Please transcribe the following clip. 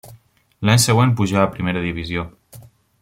L'any següent pujà a primera divisió.